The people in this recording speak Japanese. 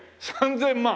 ３０００万？